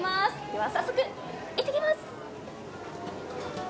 では早速行ってきます！